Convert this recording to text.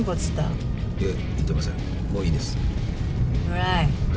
はい。